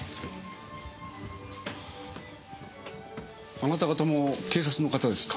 あなた方も警察の方ですか？